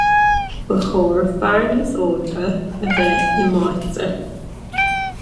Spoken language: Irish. ba chóir fear níos óige a bheith im’ áit-sa.